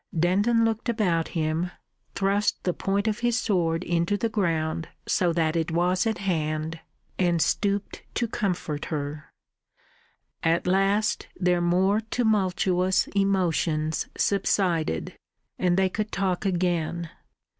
Denton looked about him, thrust the point of his sword into the ground so that it was at hand, and stooped to comfort her. At last their more tumultuous emotions subsided, and they could talk again.